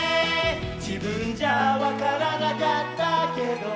「じぶんじゃわからなかったけど」